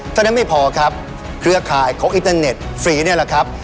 เท่านั้นไม่พอครับเครือข่ายของอินเตอร์เน็ตฟรีนี่แหละครับ